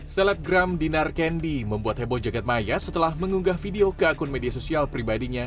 selebgram dinar kendi membuat heboh jagad maya setelah mengunggah video ke akun media sosial pribadinya